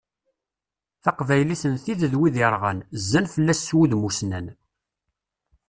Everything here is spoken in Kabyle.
Taqbaylit n tid d wid irɣan, zzan fell-as s wudem usnan.